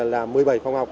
là một mươi bảy phòng học